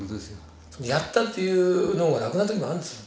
「やった」って言うのが楽な時もあるんですよ。